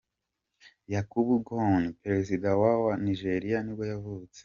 Yakubu Gowon, perezida wa wa Nigeria nibwo yavutse.